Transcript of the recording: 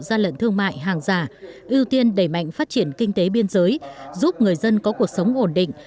gian lận thương mại hàng giả ưu tiên đẩy mạnh phát triển kinh tế biên giới giúp người dân có cuộc sống ổn định